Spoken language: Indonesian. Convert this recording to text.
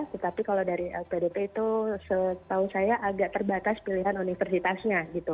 tetapi kalau dari lpdp itu setahu saya agak terbatas pilihan universitasnya gitu